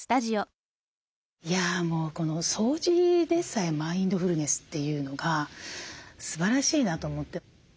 もう掃除でさえマインドフルネスというのがすばらしいなと思って。